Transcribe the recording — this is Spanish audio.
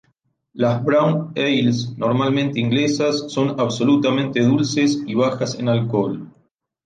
Las "brown ales" normalmente inglesas son absolutamente dulces y bajas en alcohol.